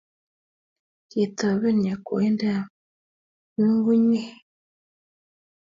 Ketoben yakwaindab nyukunyek